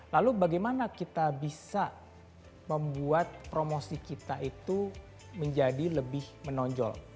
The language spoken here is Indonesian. lalu bagaimana kita bisa membuat promosi kita itu menjadi lebih menonjol